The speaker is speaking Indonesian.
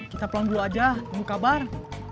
kita pulang dulu aja tunggu kabar